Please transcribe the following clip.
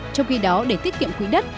trong khi đó để tiết kiệm quỹ đất